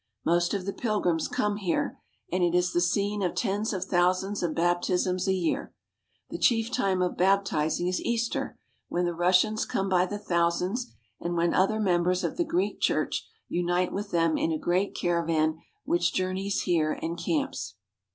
Most of the pilgrims come here, and it is the scene of tens of thousands of baptisms a year. The chief time of baptiz ing is Easter, when the Russians come by the thousands and when other members of the Greek Church unite with them in a great caravan which journeys here and camps.